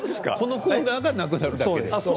このコーナーがなくなるだけです。